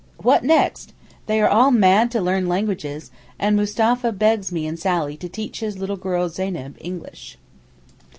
What next? They are all mad to learn languages, and Mustapha begs me and Sally to teach his little girl Zeyneb English.